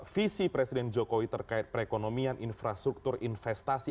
visi presiden jokowi terkait perekonomian infrastruktur investasi